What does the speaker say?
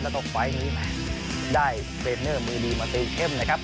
แล้วก็ไฟล์นี้ได้เทรนเนอร์มือดีมาตีเข้มนะครับ